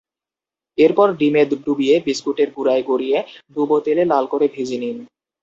এরপর ডিমে ডুবিয়ে বিস্কুটের গুঁড়ায় গড়িয়ে ডুবো তেলে লাল করে ভেজে নিন।